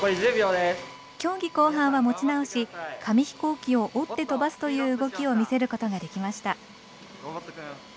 競技後半は持ち直し紙ヒコーキを折って飛ばすという動きを見せることができました。